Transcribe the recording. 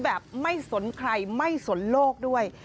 แบบไม่สนใครไม่สนโลกด้วย